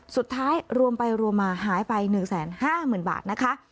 สุดท้ายรวมไปรวมมาหายไป๑๕๐๐๐๐บาทนะคะ